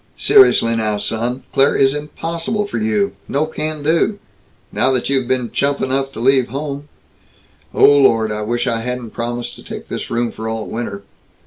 Seriously now, son, Claire is impossible for you. No can do. Now that you've been chump enough to leave home Oh Lord, I wish I hadn't promised to take this room for all winter.